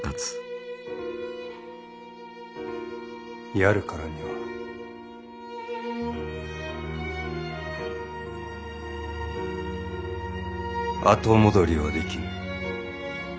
やるからには後戻りはできぬ。